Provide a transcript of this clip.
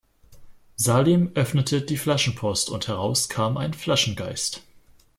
Salim öffnete die Flaschenpost und heraus kam ein Flaschengeist.